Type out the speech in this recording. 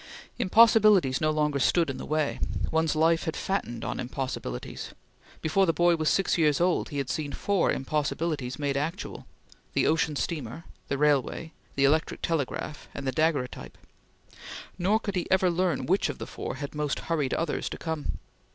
Impossibilities no longer stood in the way. One's life had fattened on impossibilities. Before the boy was six years old, he had seen four impossibilities made actual the ocean steamer, the railway, the electric telegraph, and the Daguerreotype; nor could he ever learn which of the four had most hurried others to come.